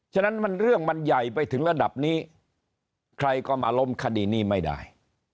ฉะนั้นมันเรื่องมันใหญ่ไปถึงระดับนี้ใครก็มาล้มคดีนี้ไม่ได้